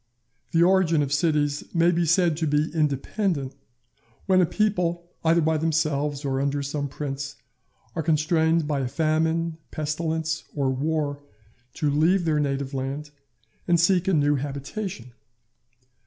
The origin of cities may be said to be independent when a people, either by themselves or under some prince, are constrained by famine, pestilence, or war to leave their native land and seek a new habitation.